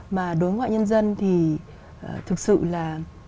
mà đối ngoại nhân dân thì thực sự là